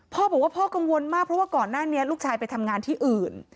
พ่อบอกว่าพ่อกังวลมากเพราะว่าก่อนหน้านี้ลูกชายไปทำงานที่อื่น